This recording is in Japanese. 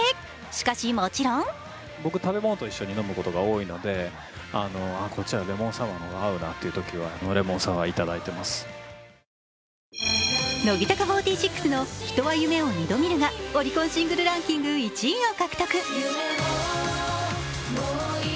しかしもちろん乃木坂４６の「人は夢を二度見る」がオリコンシングルランキング１位を獲得。